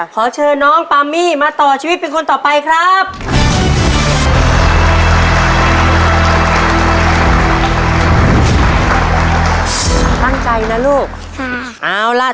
ขอเชิญน้องปามี่มาต่อชีวิตเป็นคนต่อไปครับ